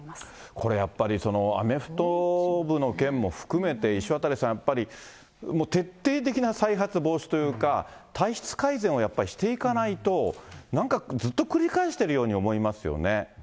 これやっぱり、アメフト部の件も含めて、石渡さん、やっぱり、徹底的な再発防止というか、体質改善をやっぱりしていかないと、なんかずっと繰り返してるように思いますよね。